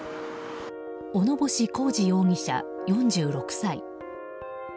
小野星浩志容疑者、４６歳。